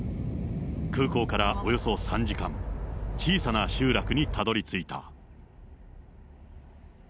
空港からおよそ３時間、小さな集落にたどりついた。